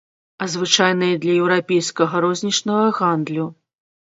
А звычайныя для еўрапейскага рознічнага гандлю.